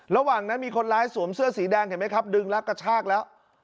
ระหว่างนั้นมีคนร้ายสวมเสื้อสีแดงเห็นไหมครับดึงแล้วกระชากแล้ว